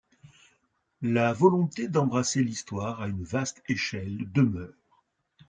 La volonté d’embrasser l’histoire à une vaste échelle demeure.